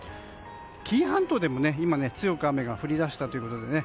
紀伊半島でも今、強く雨が降り出したということでね。